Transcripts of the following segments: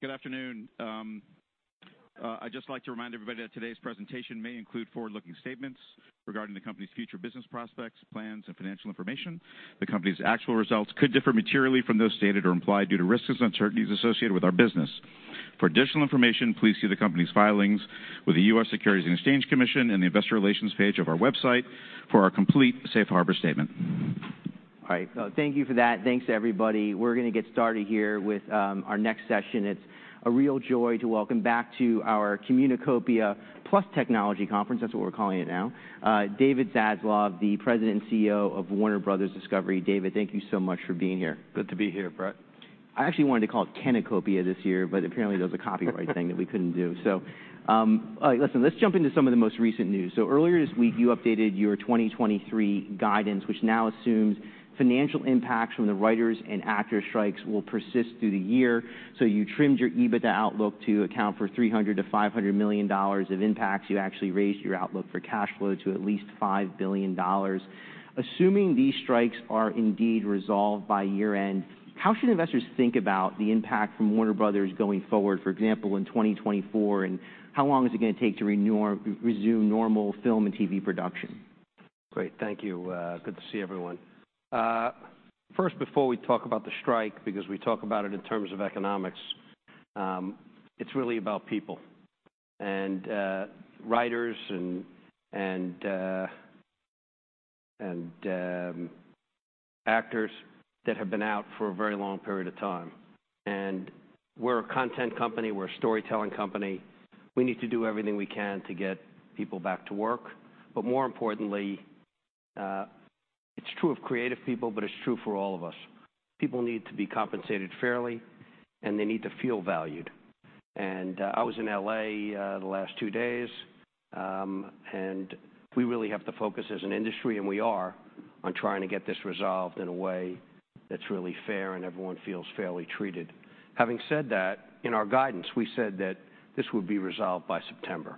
Good afternoon. I'd just like to remind everybody that today's presentation may include forward-looking statements regarding the company's future business prospects, plans, and financial information. The company's actual results could differ materially from those stated or implied due to risks and uncertainties associated with our business. For additional information, please see the company's filings with the U.S. Securities and Exchange Commission and the investor relations page of our website for our complete safe harbor statement. All right, thank you for that. Thanks, everybody. We're going to get started here with our next session. It's a real joy to welcome back to our Communicopia + Technology Conference, that's what we're calling it now, David Zaslav, the President and CEO of Warner Bros. Discovery. David, thank you so much for being here. Good to be here, Brett. I actually wanted to call it Cennicopia this year, but apparently there was a copyright thing that we couldn't do. So, all right, listen, let's jump into some of the most recent news. So earlier this week, you updated your 2023 guidance, which now assumes financial impacts from the writers and actors strikes will persist through the year. So you trimmed your EBITDA outlook to account for $300 million $500 million of impacts. You actually raised your outlook for cash flow to at least $5 billion. Assuming these strikes are indeed resolved by year-end, how should investors think about the impact from Warner Bros. going forward, for example, in 2024? And how long is it going to take to resume normal film and TV production? Great. Thank you. Good to see everyone. First, before we talk about the strike, because we talk about it in terms of economics, it's really about people and writers and actors that have been out for a very long period of time. And we're a content company. We're a storytelling company. We need to do everything we can to get people back to work. But more importantly, it's true of creative people, but it's true for all of us. People need to be compensated fairly, and they need to feel valued. And I was in L.A. the last two days, and we really have to focus as an industry, and we are, on trying to get this resolved in a way that's really fair and everyone feels fairly treated. Having said that, in our guidance, we said that this would be resolved by September,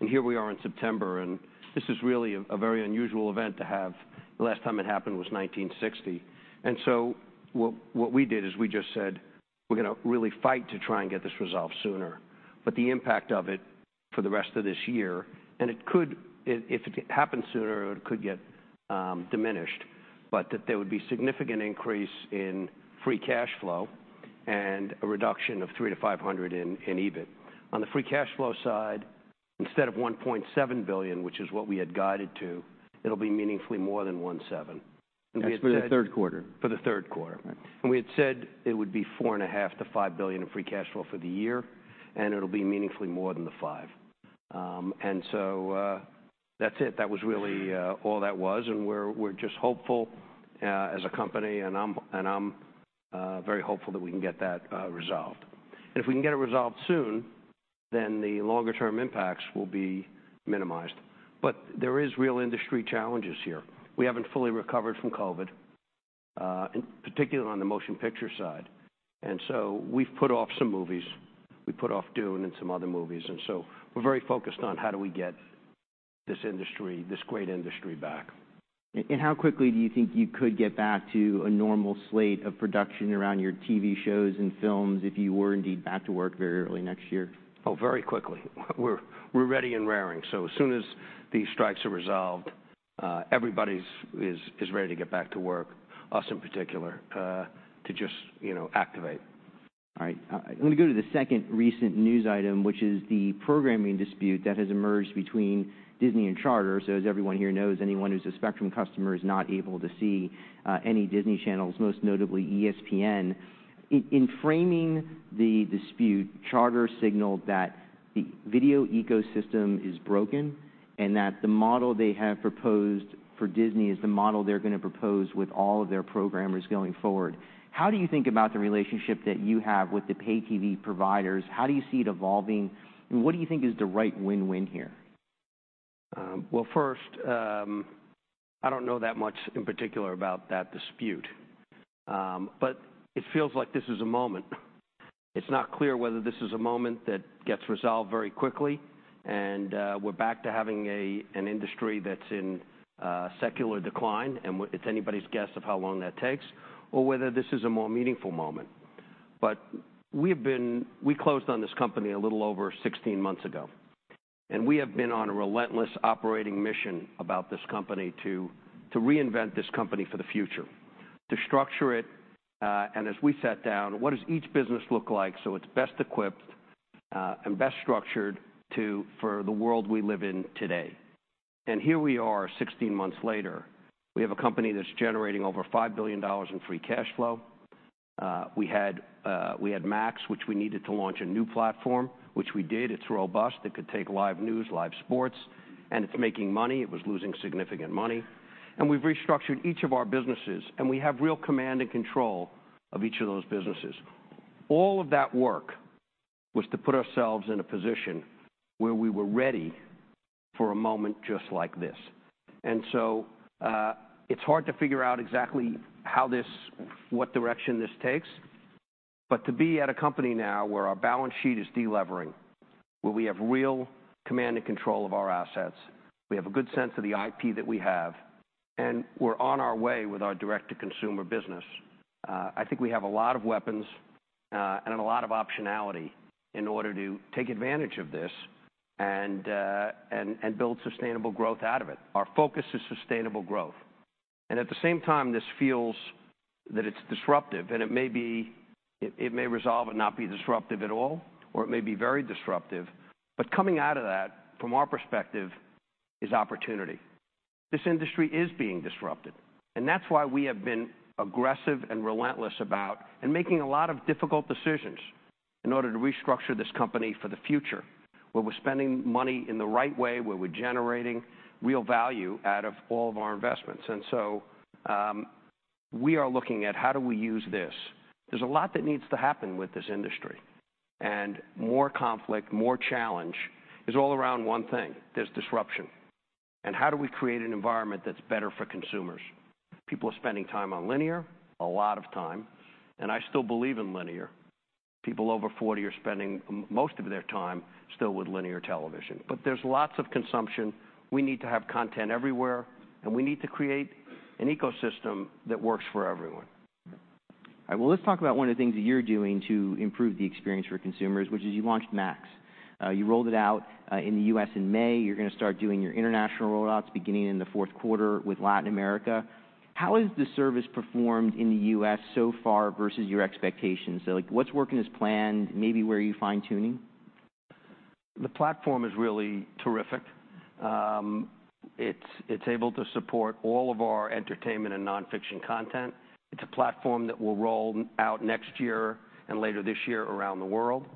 and here we are in September, and this is really a very unusual event to have. The last time it happened was 1960. And so what we did is we just said, "We're going to really fight to try and get this resolved sooner." But the impact of it for the rest of this year, and it could, if it happened sooner, it could get diminished, but that there would be significant increase in free cash flow and a reduction of 300-500 in EBIT. On the free cash flow side, instead of $1.7 billion, which is what we had guided to, it'll be meaningfully more than 1.7. That's for the Q3? For the Q3. Right. We had said it would be $4.5 billion $5 billion in free cash flow for the year, and it'll be meaningfully more than the $5 billion. And so, that's it. That was really, all that was, and we're just hopeful, as a company, and I'm very hopeful that we can get that resolved. If we can get it resolved soon, then the longer-term impacts will be minimized. But there is real industry challenges here. We haven't fully recovered from COVID, and particularly on the motion picture side, and so we've put off some movies. We put off Dune and some other movies, and so we're very focused on how do we get this industry, this great industry back. How quickly do you think you could get back to a normal slate of production around your TV shows and films if you were indeed back to work very early next year? Oh, very quickly. We're ready and raring. So as soon as these strikes are resolved, everybody is ready to get back to work, us in particular, to just, you know, activate. All right. I'm going to go to the second recent news item, which is the programming dispute that has emerged between Disney and Charter. So as everyone here knows, anyone who's a Spectrum customer is not able to see any Disney channels, most notably ESPN. In framing the dispute, Charter signaled that the video ecosystem is broken and that the model they have proposed for Disney is the model they're going to propose with all of their programmers going forward. How do you think about the relationship that you have with the pay TV providers? How do you see it evolving, and what do you think is the right win-win here? Well, first, I don't know that much in particular about that dispute. But it feels like this is a moment. It's not clear whether this is a moment that gets resolved very quickly, and we're back to having an industry that's in secular decline, and it's anybody's guess of how long that takes or whether this is a more meaningful moment. But we have been. We closed on this company a little over 16 months ago, and we have been on a relentless operating mission about this company to reinvent this company for the future, to structure it, and as we sat down, what does each business look like so it's best equipped, and best structured for the world we live in today? Here we are, 16 months later, we have a company that's generating over $5 billion in free cash flow. We had Max, which we needed to launch a new platform, which we did. It's robust. It could take live news, live sports, and it's making money. It was losing significant money. We've restructured each of our businesses, and we have real command and control of each of those businesses. All of that work was to put ourselves in a position where we were ready for a moment just like this. So, it's hard to figure out exactly how this, what direction this takes, but to be at a company now where our balance sheet is delevering, where we have real command and control of our assets. We have a good sense of the IP that we have, and we're on our way with our direct-to-consumer business. I think we have a lot of weapons, and a lot of optionality in order to take advantage of this and build sustainable growth out of it. Our focus is sustainable growth, and at the same time, this feels that it's disruptive, and it may be, it may resolve and not be disruptive at all, or it may be very disruptive. But coming out of that, from our perspective, is opportunity. This industry is being disrupted, and that's why we have been aggressive and relentless about making a lot of difficult decisions in order to restructure this company for the future, where we're spending money in the right way, where we're generating real value out of all of our investments. So, we are looking at how do we use this? There's a lot that needs to happen with this industry, and more conflict, more challenge is all around one thing: There's disruption. And how do we create an environment that's better for consumers? People are spending time on linear, a lot of time, and I still believe in linear. People over 40 are spending most of their time still with linear television. But there's lots of consumption. We need to have content everywhere, and we need to create an ecosystem that works for everyone. All right, well, let's talk about one of the things that you're doing to improve the experience for consumers, which is you launched Max. You rolled it out in the U.S. in May. You're going to start doing your international rollouts beginning in the fourth quarter with Latin America. How has the service performed in the U.S. so far versus your expectations? So, like, what's working as planned, maybe where are you fine-tuning? The platform is really terrific. It's able to support all of our entertainment and nonfiction content. It's a platform that will roll out next year and later this year around the world.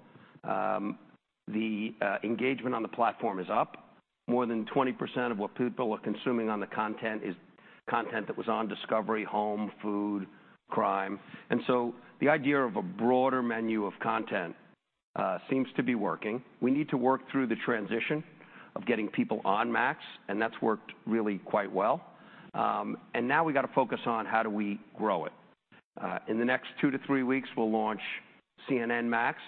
The engagement on the platform is up. More than 20% of what people are consuming on the content is content that was on Discovery, home, food, crime. And so the idea of a broader menu of content seems to be working. We need to work through the transition of getting people on Max, and that's worked really quite well. And now we got to focus on how do we grow it. In the next 2-3 weeks, we'll launch CNN Max,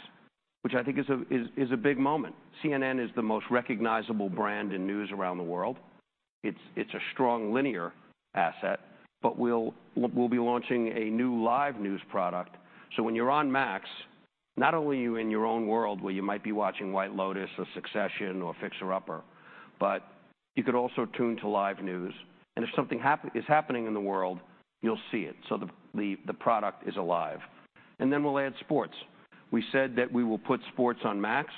which I think is a big moment. CNN is the most recognizable brand in news around the world. It's a strong linear asset, but we'll be launching a new live news product. So when you're on Max, not only are you in your own world, where you might be watching White Lotus or Succession or Fixer Upper, but you could also tune to live news, and if something is happening in the world, you'll see it. So the product is alive. And then we'll add sports. We said that we will put sports on Max,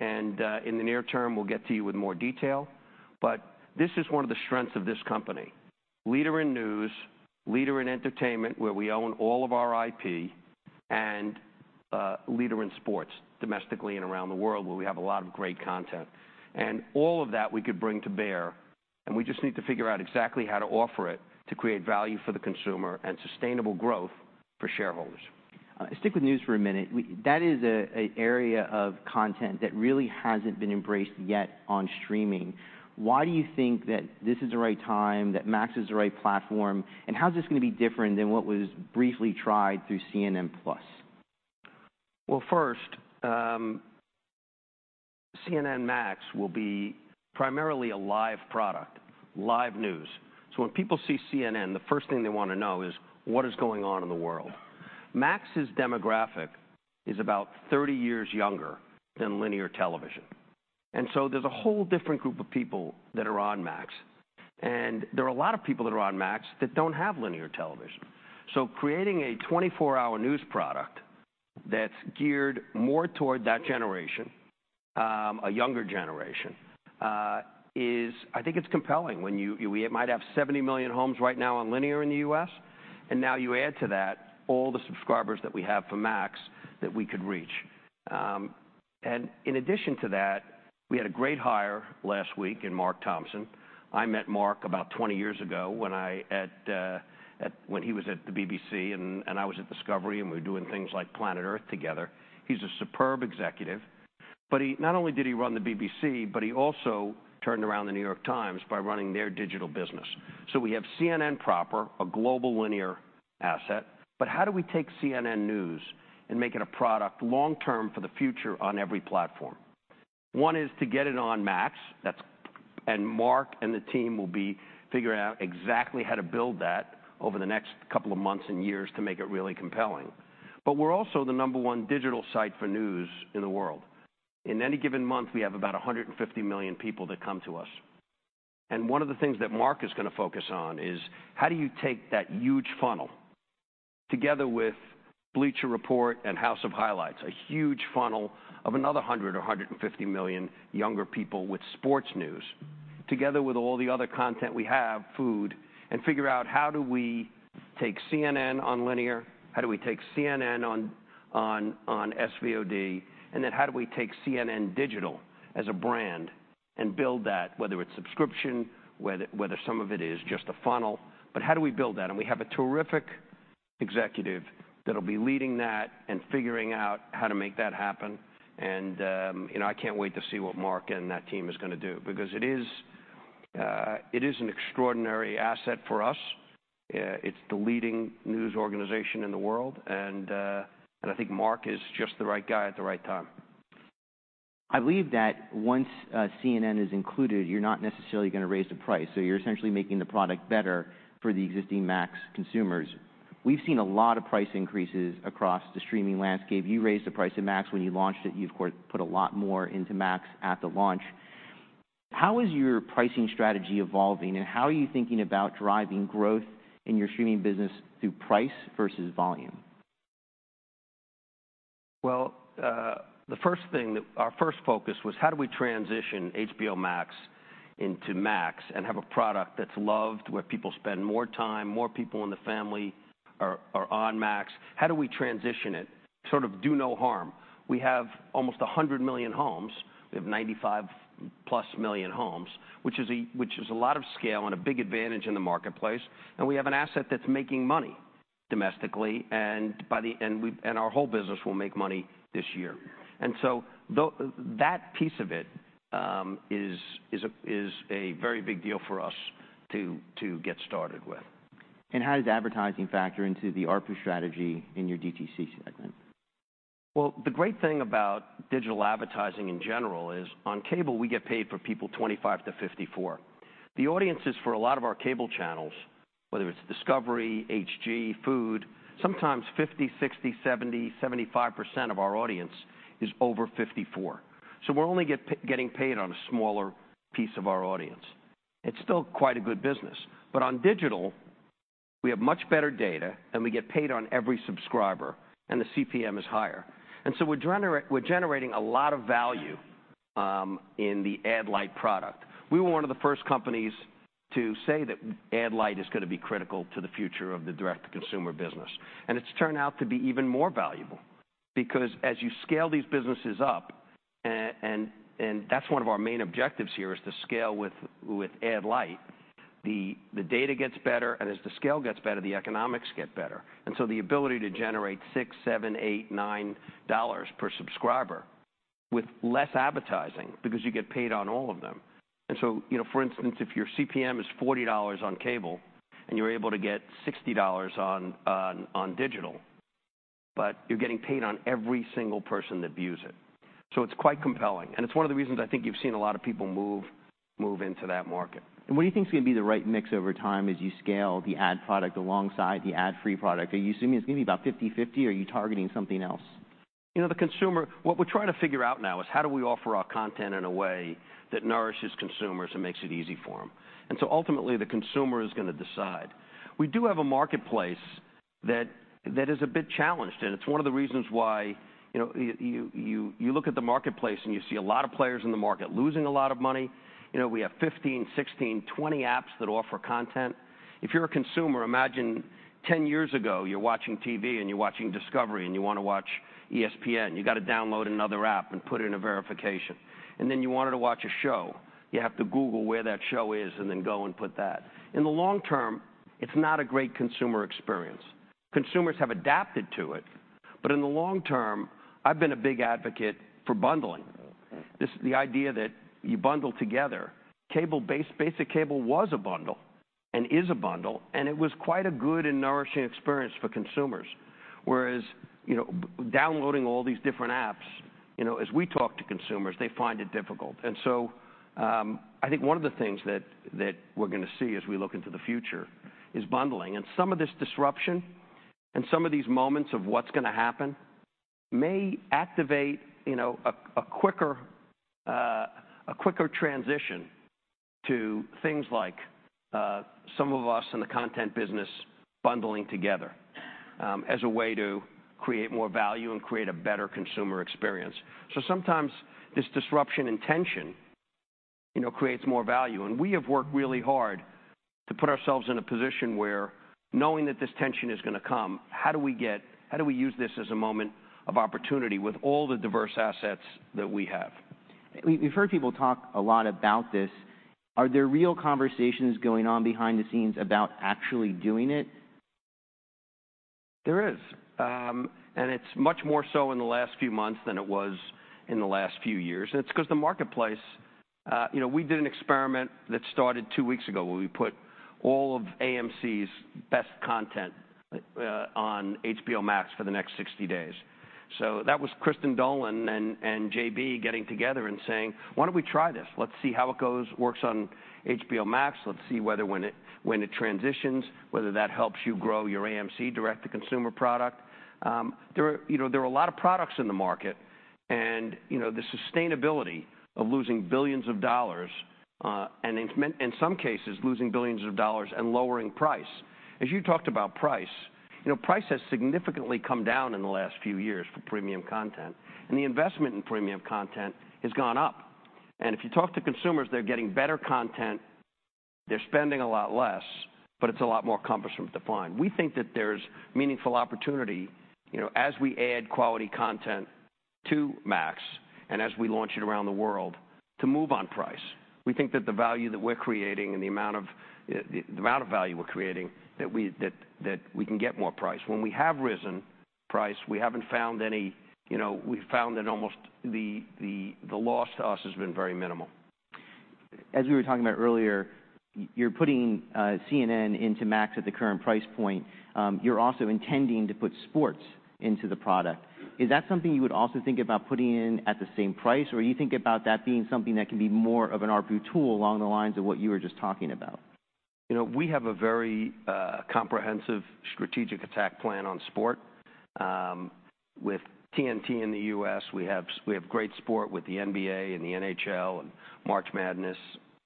and in the near term, we'll get to you with more detail. But this is one of the strengths of this company. Leader in news, leader in entertainment, where we own all of our IP, and leader in sports, domestically and around the world, where we have a lot of great content. And all of that we could bring to bear, and we just need to figure out exactly how to offer it to create value for the consumer and sustainable growth for shareholders. Stick with news for a minute. That is an area of content that really hasn't been embraced yet on streaming. Why do you think that this is the right time, that Max is the right platform, and how's this going to be different than what was briefly tried through CNN+? Well, first, CNN Max will be primarily a live product, live news. So when people see CNN, the first thing they want to know is, What is going on in the world? Max's demographic is about 30 years younger than linear television, and so there's a whole different group of people that are on Max, and there are a lot of people that are on Max that don't have linear television. So creating a 24-hour news product that's geared more toward that generation, a younger generation, is... I think it's compelling. We might have 70 million homes right now on linear in the U.S., and now you add to that all the subscribers that we have for Max that we could reach. And in addition to that, we had a great hire last week in Mark Thompson. I met Mark about 20 years ago when he was at the BBC, and I was at Discovery, and we were doing things like Planet Earth together. He's a superb executive, but he not only did he run the BBC, but he also turned around The New York Times by running their digital business. So we have CNN proper, a global linear asset, but how do we take CNN News and make it a product long term for the future on every platform? One is to get it on Max. And Mark and the team will be figuring out exactly how to build that over the next couple of months and years to make it really compelling. But we're also the number one digital site for news in the world. In any given month, we have about 150 million people that come to us. One of the things that Mark is going to focus on is, how do you take that huge funnel, together with Bleacher Report and House of Highlights, a huge funnel of another 100 or 150 million younger people with sports news, together with all the other content we have, food, and figure out how do we take CNN on linear, how do we take CNN on SVOD, and then how do we take CNN digital as a brand and build that, whether it's subscription, whether some of it is just a funnel, but how do we build that? We have a terrific executive that'll be leading that and figuring out how to make that happen. And, you know, I can't wait to see what Mark and that team is going to do because it is an extraordinary asset for us. It is the leading news organization in the world, and, and I think Mark is just the right guy at the right time. I believe that once, CNN is included, you're not necessarily going to raise the price, so you're essentially making the product better for the existing Max consumers. We've seen a lot of price increases across the streaming landscape. You raised the price of Max when you launched it. You, of course, put a lot more into Max at the launch. How is your pricing strategy evolving, and how are you thinking about driving growth in your streaming business through price versus volume? Well, our first focus was how do we transition HBO Max into Max and have a product that's loved, where people spend more time, more people in the family are on Max? How do we transition it, sort of, do no harm? We have almost 100 million homes. We have 95+ million homes, which is a lot of scale and a big advantage in the marketplace, and we have an asset that's making money domestically, and by the... And our whole business will make money this year. And so that piece of it is a very big deal for us to get started with. How does advertising factor into the ARPU strategy in your DTC segment? Well, the great thing about digital advertising in general is on cable, we get paid for people 25-54. The audiences for a lot of our cable channels, whether it's Discovery, HG, Food, sometimes 50, 60, 70, 75% of our audience is over 54. So we're only getting paid on a smaller piece of our audience. It's still quite a good business. But on digital, we have much better data, and we get paid on every subscriber, and the CPM is higher. And so we're generating a lot of value in the ad light product. We were one of the first companies to say that ad light is going to be critical to the future of the direct-to-consumer business. It's turned out to be even more valuable because as you scale these businesses up, and that's one of our main objectives here, is to scale with ad-light, the data gets better, and as the scale gets better, the economics get better. So the ability to generate $6, $7, $8, $9 per subscriber with less advertising because you get paid on all of them. So, you know, for instance, if your CPM is $40 on cable and you're able to get $60 on digital, but you're getting paid on every single person that views it. So it's quite compelling, and it's one of the reasons I think you've seen a lot of people move into that market. What do you think is going to be the right mix over time as you scale the ad product alongside the ad-free product? Are you assuming it's going to be about 50/50, or are you targeting something else? You know, the consumer, what we're trying to figure out now is how do we offer our content in a way that nourishes consumers and makes it easy for them? And so ultimately, the consumer is going to decide. We do have a marketplace that is a bit challenged, and it's one of the reasons why, you know, you look at the marketplace, and you see a lot of players in the market losing a lot of money. You know, we have 15, 16, 20 apps that offer content. If you're a consumer, imagine 10 years ago, you're watching TV, and you're watching Discovery, and you want to watch ESPN, you got to download another app and put in a verification. And then you wanted to watch a show, you have to Google where that show is and then go and put that. In the long term, it's not a great consumer experience. Consumers have adapted to it, but in the long term, I've been a big advocate for bundling. This, the idea that you bundle together. Cable-based, basic cable was a bundle and is a bundle, and it was quite a good and nourishing experience for consumers. Whereas, you know, downloading all these different apps, you know, as we talk to consumers, they find it difficult. And so, I think one of the things that we're going to see as we look into the future is bundling. And some of this disruption and some of these moments of what's going to happen may activate, you know, a quicker transition to things like some of us in the content business bundling together, as a way to create more value and create a better consumer experience. Sometimes this disruption and tension, you know, creates more value. We have worked really hard to put ourselves in a position where knowing that this tension is going to come, how do we use this as a moment of opportunity with all the diverse assets that we have? We've heard people talk a lot about this. Are there real conversations going on behind the scenes about actually doing it? There is, and it's much more so in the last few months than it was in the last few years. It's because the marketplace. You know, we did an experiment that started two weeks ago, where we put all of AMC's best content on HBO Max for the next 60 days. So that was Kristin Dolan and JB getting together and saying: Why don't we try this? Let's see how it goes, works on HBO Max. Let's see whether when it transitions, whether that helps you grow your AMC direct-to-consumer product. There are, you know, there are a lot of products in the market, and, you know, the sustainability of losing $ billions, and in some cases, losing $ billions and lowering price. As you talked about price, you know, price has significantly come down in the last few years for premium content, and the investment in premium content has gone up. If you talk to consumers, they're getting better content, they're spending a lot less, but it's a lot more cumbersome to find. We think that there's meaningful opportunity, you know, as we add quality content to Max and as we launch it around the world, to move on price. We think that the value that we're creating and the amount of, the amount of value we're creating, that we, that, that we can get more price. When we have risen-... price. We haven't found any, you know, we've found that almost the, the, the loss to us has been very minimal. As we were talking about earlier, you're putting CNN into Max at the current price point. You're also intending to put sports into the product. Is that something you would also think about putting in at the same price? Or you think about that being something that can be more of an ARPU tool along the lines of what you were just talking about? You know, we have a very comprehensive strategic attack plan on sport. With TNT in the U.S., we have great sport with the NBA and the NHL and March Madness,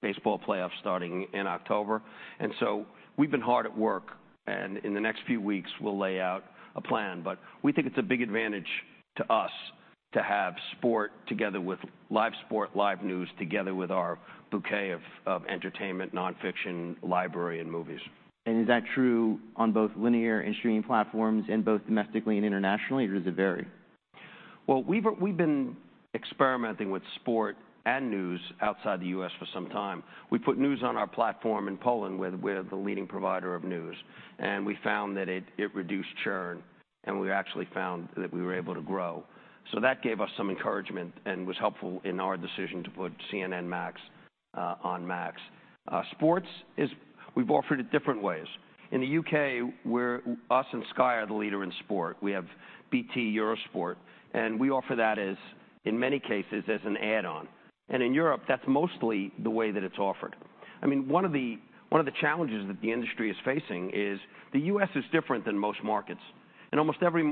baseball playoffs starting in October. And so we've been hard at work, and in the next few weeks, we'll lay out a plan. But we think it's a big advantage to us to have sport together with live sport, live news, together with our bouquet of entertainment, nonfiction, library, and movies. Is that true on both linear and streaming platforms and both domestically and internationally, or does it vary? Well, we've been experimenting with sport and news outside the U.S. for some time. We put news on our platform in Poland, where we're the leading provider of news, and we found that it reduced churn, and we actually found that we were able to grow. So that gave us some encouragement and was helpful in our decision to put CNN Max on Max. Sports is. We've offered it different ways. In the U.K., where us and Sky are the leader in sport, we have BT Eurosport, and we offer that as, in many cases, as an add-on. And in Europe, that's mostly the way that it's offered. I mean, one of the challenges that the industry is facing is the U.S. is different than most markets. In almost every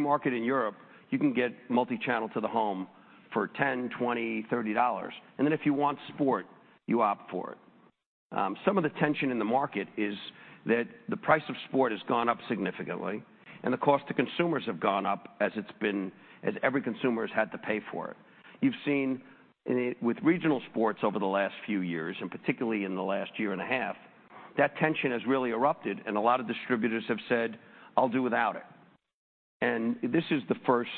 market in Europe, you can get multi-channel to the home for $10, $20, $30, and then if you want sport, you opt for it. Some of the tension in the market is that the price of sport has gone up significantly, and the cost to consumers have gone up as it's been, as every consumer has had to pay for it. You've seen it in, with regional sports over the last few years, and particularly in the last year and a half, that tension has really erupted, and a lot of distributors have said, "I'll do without it." And this is the first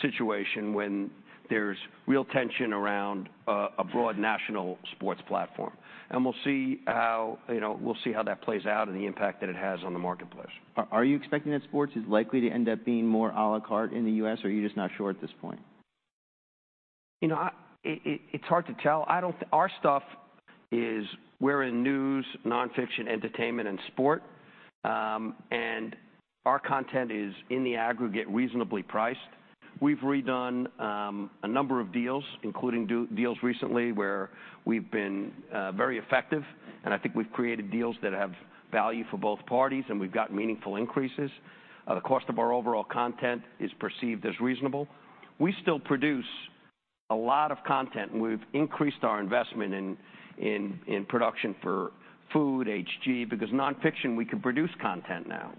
situation when there's real tension around a broad national sports platform. And we'll see how, you know, we'll see how that plays out and the impact that it has on the marketplace. Are you expecting that sports is likely to end up being more a la carte in the U.S., or are you just not sure at this point? You know, it's hard to tell. Our stuff is we're in news, nonfiction, entertainment, and sport, and our content is, in the aggregate, reasonably priced. We've redone a number of deals, including deals recently, where we've been very effective, and I think we've created deals that have value for both parties, and we've gotten meaningful increases. The cost of our overall content is perceived as reasonable. We still produce a lot of content, and we've increased our investment in production for food, HG, because nonfiction, we can produce content now.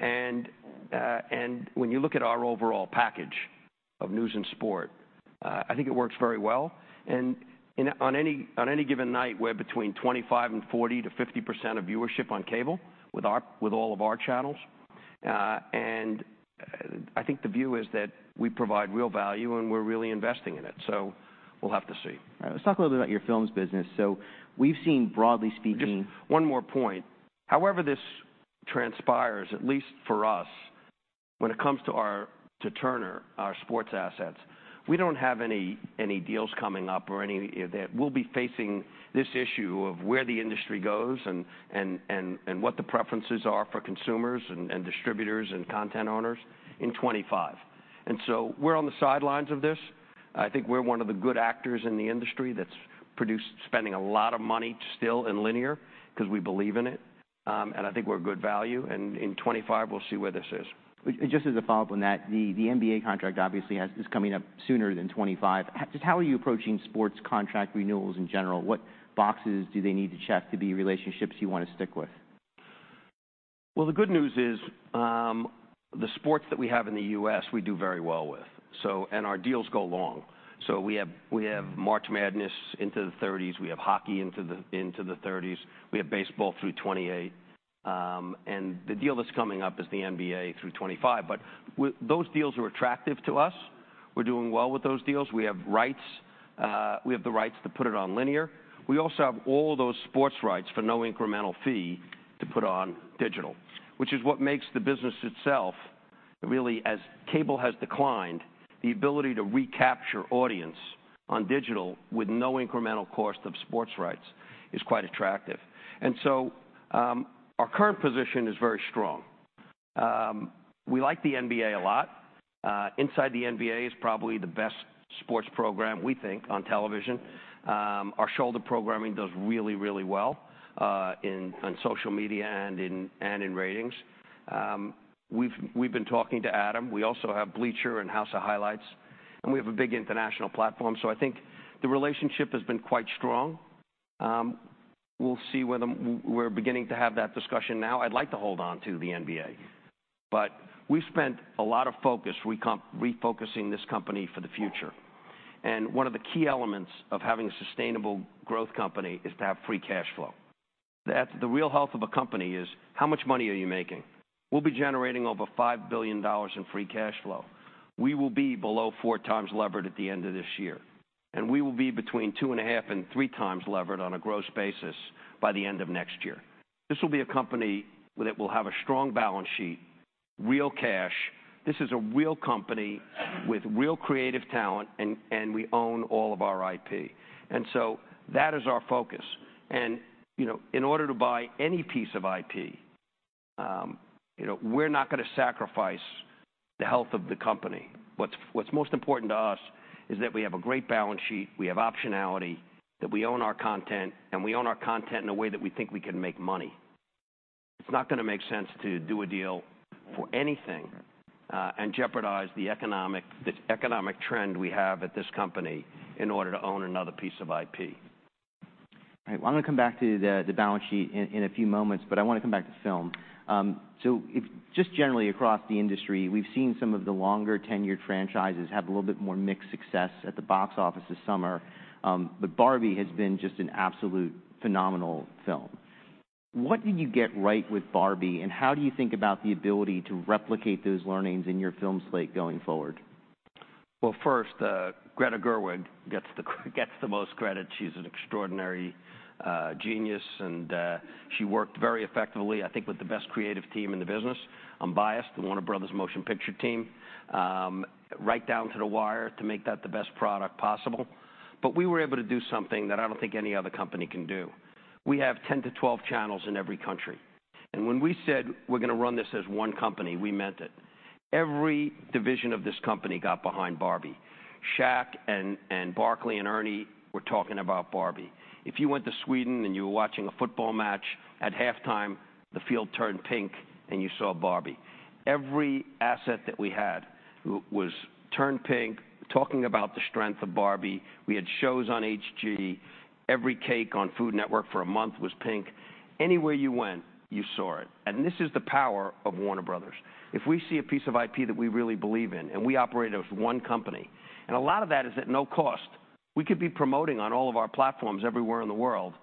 And when you look at our overall package of news and sport, I think it works very well. On any given night, we're between 25% and 40%-50% of viewership on cable with all of our channels. I think the view is that we provide real value, and we're really investing in it, so we'll have to see. All right. Let's talk a little bit about your films business. So we've seen, broadly speaking- Just one more point. However this transpires, at least for us, when it comes to our, to Turner, our sports assets, we don't have any deals coming up or any that... We'll be facing this issue of where the industry goes and what the preferences are for consumers and distributors and content owners in 25. And so we're on the sidelines of this. I think we're one of the good actors in the industry that's produced, spending a lot of money still in linear because we believe in it, and I think we're good value, and in 25, we'll see where this is. Just as a follow-up on that, the NBA contract obviously is coming up sooner than 25. How are you approaching sports contract renewals in general? What boxes do they need to check to be relationships you want to stick with? Well, the good news is, the sports that we have in the U.S., we do very well with, so, and our deals go long. So we have, we have March Madness into the 2030s, we have hockey into the 2030s, we have baseball through 2028. And the deal that's coming up is the NBA through 2025. But those deals are attractive to us. We're doing well with those deals. We have rights, we have the rights to put it on linear. We also have all those sports rights for no incremental fee to put on digital, which is what makes the business itself, really, as cable has declined, the ability to recapture audience on digital with no incremental cost of sports rights is quite attractive. And so, our current position is very strong. We like the NBA a lot. Inside the NBA is probably the best sports program, we think, on television. Our shoulder programming does really, really well on social media and in ratings. We've been talking to Adam. We also have Bleacher and House of Highlights, and we have a big international platform, so I think the relationship has been quite strong. We'll see whether we're beginning to have that discussion now. I'd like to hold on to the NBA, but we've spent a lot of focus refocusing this company for the future, and one of the key elements of having a sustainable growth company is to have free cash flow. That's the real health of a company, how much money are you making? We'll be generating over $5 billion in free cash flow. We will be below 4x levered at the end of this year... and we will be between 2.5x and 3x levered on a gross basis by the end of next year. This will be a company that will have a strong balance sheet, real cash. This is a real company with real creative talent, and we own all of our IP. And so that is our focus. And, you know, in order to buy any piece of IP, you know, we're not going to sacrifice the health of the company. What's most important to us is that we have a great balance sheet, we have optionality, that we own our content, and we own our content in a way that we think we can make money. It's not going to make sense to do a deal for anything, and jeopardize the economic trend we have at this company in order to own another piece of IP. All right, I want to come back to the balance sheet in a few moments, but I want to come back to film. So if just generally across the industry, we've seen some of the longer tenured franchises have a little bit more mixed success at the box office this summer. But Barbie has been just an absolute phenomenal film. What did you get right with Barbie, and how do you think about the ability to replicate those learnings in your film slate going forward? Well, first, Greta Gerwig gets the most credit. She's an extraordinary genius, and she worked very effectively, I think, with the best creative team in the business. I'm biased, the Warner Bros. Motion Picture team right down to the wire to make that the best product possible. But we were able to do something that I don't think any other company can do. We have 10-12 channels in every country, and when we said we're going to run this as one company, we meant it. Every division of this company got behind Barbie. Shaq and Barkley and Ernie were talking about Barbie. If you went to Sweden and you were watching a football match, at halftime, the field turned pink, and you saw Barbie. Every asset that we had was turned pink, talking about the strength of Barbie. We had shows on HG. Every cake on Food Network for a month was pink. Anywhere you went, you saw it, and this is the power of Warner Bros. If we see a piece of IP that we really believe in, and we operate as one company, and a lot of that is at no cost, we could be promoting on all of our platforms everywhere in the world.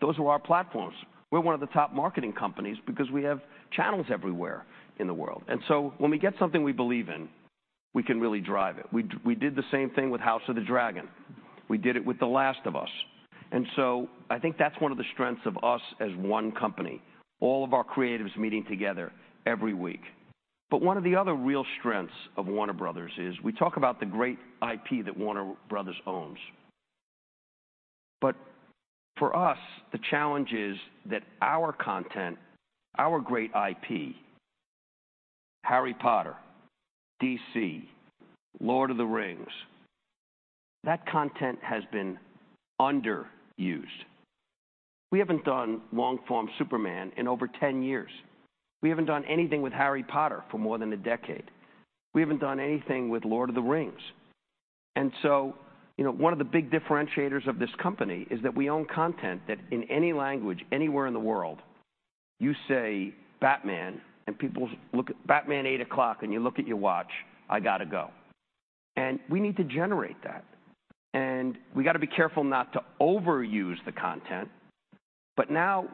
Those are our platforms. We're one of the top marketing companies because we have channels everywhere in the world. And so when we get something we believe in, we can really drive it. We did the same thing with House of the Dragon. We did it with The Last of Us. And so I think that's one of the strengths of us as one company, all of our creatives meeting together every week. But one of the other real strengths of Warner Bros. is we talk about the great IP that Warner Bros. owns. But for us, the challenge is that our content, our great IP, Harry Potter, DC, Lord of the Rings, that content has been underused. We haven't done long-form Superman in over 10 years. We haven't done anything with Harry Potter for more than a decade. We haven't done anything with Lord of the Rings. And so, you know, one of the big differentiators of this company is that we own content that in any language, anywhere in the world, you say Batman, and people look at... Batman 8 o'clock, and you look at your watch, "I got to go." And we need to generate that, and we got to be careful not to overuse the content. But now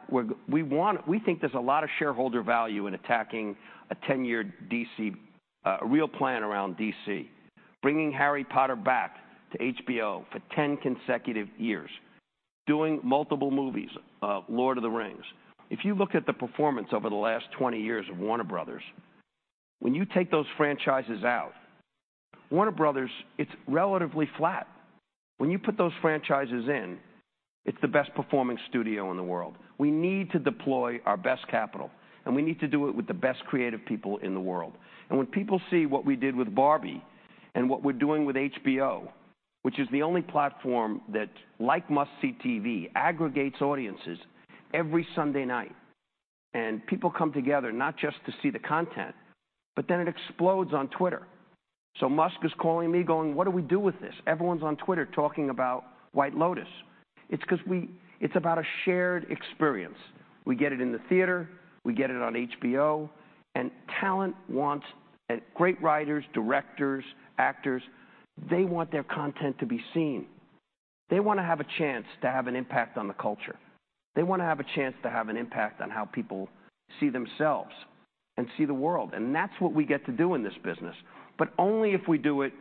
we want, we think there's a lot of shareholder value in attacking a 10-year DC, a real plan around DC, bringing Harry Potter back to HBO for 10 consecutive years, doing multiple movies of Lord of the Rings. If you look at the performance over the last 20 years of Warner Bros., when you take those franchises out, Warner Bros., it's relatively flat. When you put those franchises in, it's the best-performing studio in the world. We need to deploy our best capital, and we need to do it with the best creative people in the world. And when people see what we did with Barbie and what we're doing with HBO, which is the only platform that, like must-see TV, aggregates audiences every Sunday night, and people come together not just to see the content, but then it explodes on Twitter. So Musk is calling me going, "What do we do with this? Everyone's on Twitter talking about White Lotus." It's because we--it's about a shared experience. We get it in the theater, we get it on HBO, and talent wants... And great writers, directors, actors, they want their content to be seen. They want to have a chance to have an impact on the culture. They want to have a chance to have an impact on how people see themselves and see the world, and that's what we get to do in this business, but only if we do it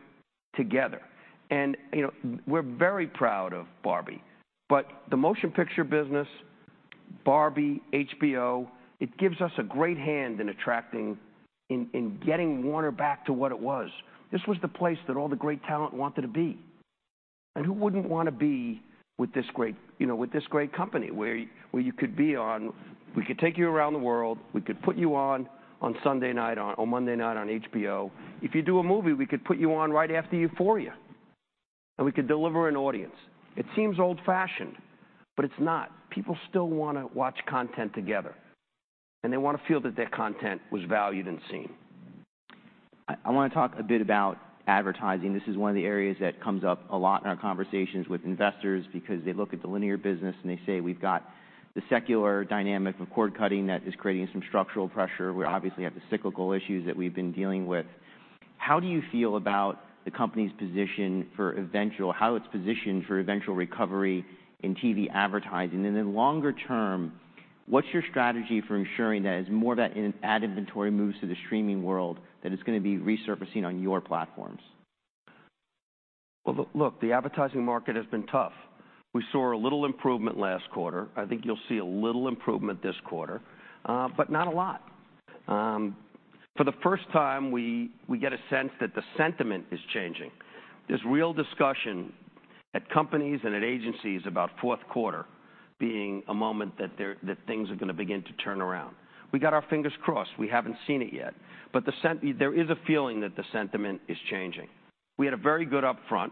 together. And, you know, we're very proud of Barbie, but the motion picture business, Barbie, HBO, it gives us a great hand in attracting, in, in getting Warner back to what it was. This was the place that all the great talent wanted to be. Who wouldn't want to be with this great, you know, with this great company, where you, you could be on, we could take you around the world, we could put you on, on Sunday night, on, or Monday night on HBO. If you do a movie, we could put you on right after Euphoria, and we could deliver an audience. It seems old-fashioned, but it's not. People still want to watch content together, and they want to feel that their content was valued and seen. I, I want to talk a bit about advertising. This is one of the areas that comes up a lot in our conversations with investors because they look at the linear business, and they say, "We've got the secular dynamic of cord-cutting that is creating some structural pressure. We obviously have the cyclical issues that we've been dealing with." How do you feel about the company's position for eventual, how it's positioned for eventual recovery in TV advertising? And then longer term, what's your strategy for ensuring that as more of that in, ad inventory moves to the streaming world, that it's gonna be resurfacing on your platforms? Well, look, the advertising market has been tough. We saw a little improvement last quarter. I think you'll see a little improvement this quarter, but not a lot. For the first time, we get a sense that the sentiment is changing. There's real discussion at companies and at agencies about fourth quarter being a moment that they're that things are gonna begin to turn around. We got our fingers crossed. We haven't seen it yet, but there is a feeling that the sentiment is changing. We had a very good Upfront.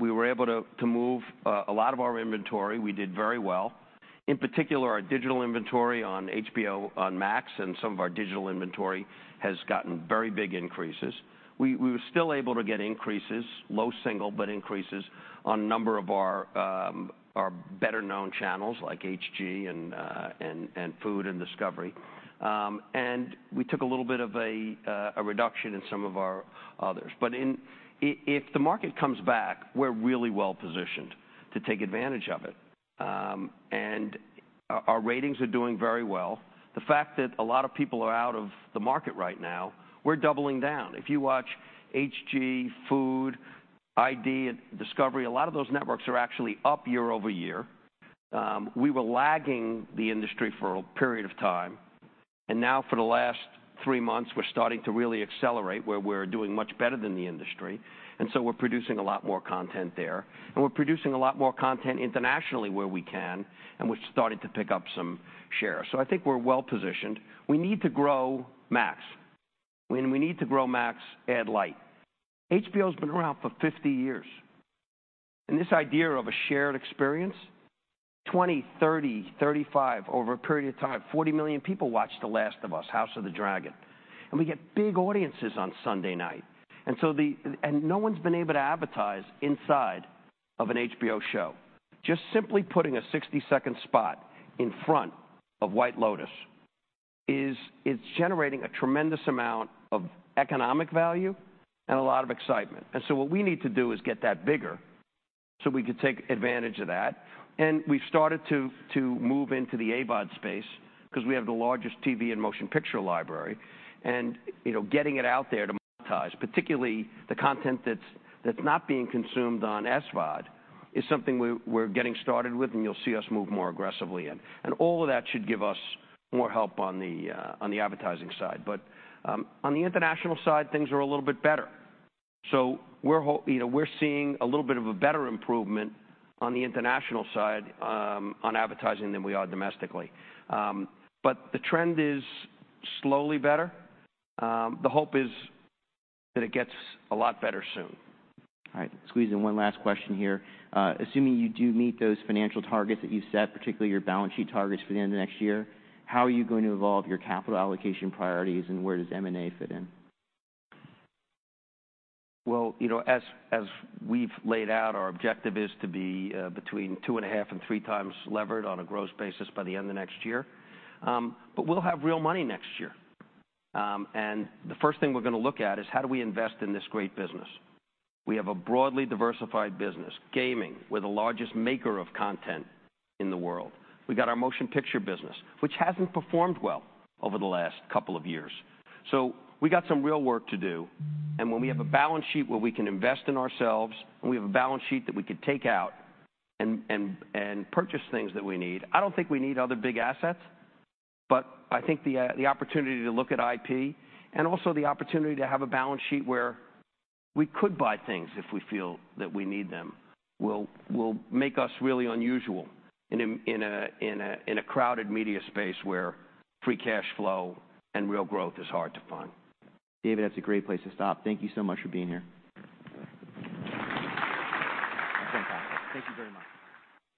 We were able to move a lot of our inventory. We did very well. In particular, our digital inventory on HBO, on Max, and some of our digital inventory has gotten very big increases. We were still able to get increases, low single, but increases on a number of our better-known channels, like HG and Food and Discovery. And we took a little bit of a reduction in some of our others. But if the market comes back, we're really well positioned to take advantage of it. And our ratings are doing very well. The fact that a lot of people are out of the market right now, we're doubling down. If you watch HG, Food, ID, and Discovery, a lot of those networks are actually up year-over-year. We were lagging the industry for a period of time, and now for the last three months, we're starting to really accelerate, where we're doing much better than the industry. And so we're producing a lot more content there, and we're producing a lot more content internationally where we can, and we're starting to pick up some share. So I think we're well positioned. We need to grow Max. We, we need to grow Max ad light. HBO's been around for 50 years, and this idea of a shared experience, 20, 30, 35, over a period of time, 40 million people watched The Last of Us, House of the Dragon. And we get big audiences on Sunday night. And so and no one's been able to advertise inside of an HBO show. Just simply putting a 60-second spot in front of The White Lotus is, it's generating a tremendous amount of economic value and a lot of excitement. And so what we need to do is get that bigger, so we could take advantage of that. And we've started to move into the AVOD space because we have the largest TV and motion picture library. And, you know, getting it out there to monetize, particularly the content that's not being consumed on SVOD, is something we're getting started with, and you'll see us move more aggressively in. And all of that should give us more help on the advertising side. But on the international side, things are a little bit better. So you know, we're seeing a little bit of a better improvement on the international side on advertising than we are domestically. The trend is slowly better. The hope is that it gets a lot better soon. All right, squeeze in one last question here. Assuming you do meet those financial targets that you set, particularly your balance sheet targets for the end of next year, how are you going to evolve your capital allocation priorities, and where does M&A fit in? Well, you know, as, as we've laid out, our objective is to be between 2.5 and 3 times levered on a gross basis by the end of next year. But we'll have real money next year. And the first thing we're gonna look at is: How do we invest in this great business? We have a broadly diversified business. Gaming, we're the largest maker of content in the world. We got our motion picture business, which hasn't performed well over the last couple of years. So we got some real work to do. When we have a balance sheet where we can invest in ourselves, and we have a balance sheet that we could take out and purchase things that we need, I don't think we need other big assets, but I think the opportunity to look at IP and also the opportunity to have a balance sheet where we could buy things if we feel that we need them, will make us really unusual in a crowded media space where free cash flow and real growth is hard to find. David, that's a great place to stop. Thank you so much for being here. Fantastic. Thank you very much.